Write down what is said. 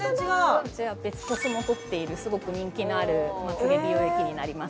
こちらベスコスも取っているすごく人気のあるまつ毛美容液になります